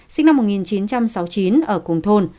sinh năm một nghìn chín trăm sáu mươi chín ở cùng thôn